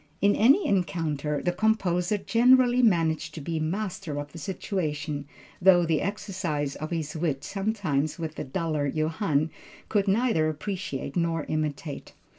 In any encounter, the composer generally managed to be master of the situation, through the exercise of his wit, something which the duller Johann could neither appreciate nor imitate.